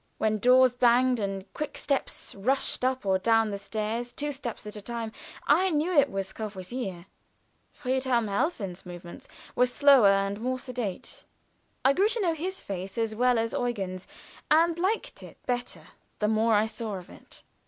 When doors banged and quick steps rushed up or down the stairs two steps at a time I knew it was Courvoisier. Friedhelm Helfen's movements were slower and more sedate. I grew to know his face as well as Eugen's, and to like it better the more I saw of it.